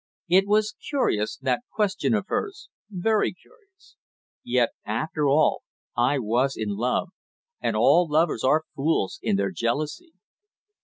It was curious, that question of hers very curious. Yet after all I was in love and all lovers are fools in their jealousy.